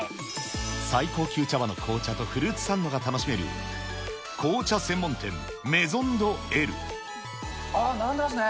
最高級茶葉の紅茶とフルーツサンドが楽しめる、紅茶専門店、並んでますね。